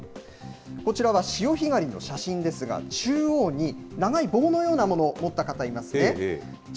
こちらは潮干狩りの写真ですが、中央に長い棒のようなものを持った方いますね。